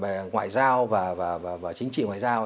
về mặt ngoại giao và chính trị ngoại giao